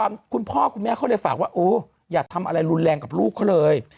คุณพ่อคุณแม่เขาเลยฝากว่าโอ้อย่าทำอะไรรุนแรงกับลูกเขาเลย